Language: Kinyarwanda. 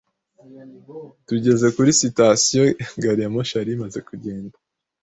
Tugeze kuri sitasiyo, gari ya moshi yari imaze kugenda.